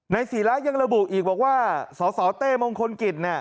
ศีระยังระบุอีกบอกว่าสสเต้มงคลกิจ